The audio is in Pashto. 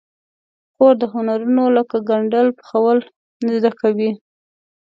خور د هنرونو لکه ګنډل، پخول زده کوي.